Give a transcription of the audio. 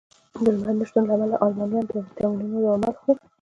د لمر نه شتون له کبله المانیان د ویټامینونو درمل خوري